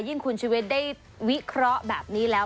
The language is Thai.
คุณชุวิตได้วิเคราะห์แบบนี้แล้ว